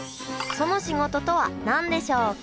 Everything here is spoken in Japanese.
その仕事とは何でしょうか？